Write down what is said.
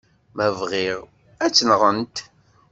Ma bɣiɣ, ad tt-nɣent.